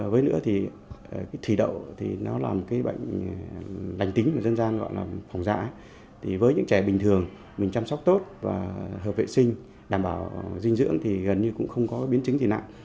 với nữa thì thủy đậu là một bệnh lành tính mà dân gian gọi là phòng giã với những trẻ bình thường mình chăm sóc tốt và hợp vệ sinh đảm bảo dinh dưỡng thì gần như cũng không có biến chứng thì nặng